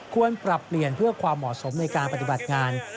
ควรปรับเปลี่ยนเพื่อความเหมาะสมในการปฏิบัติงาน